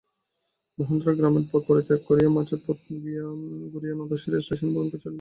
মহেন্দ্র গ্রামের পথ পরিত্যাগ করিয়া মাঠের পথ দিয়া ঘুরিয়া নতশিরে স্টেশনের অভিমুখে চলিল।